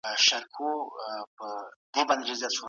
ډول د شعر، ادبیاتو، علم او عرفان مخکښ پاتي